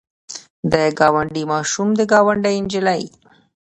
د ګاونډي ماشوم د ګاونډۍ نجلۍ.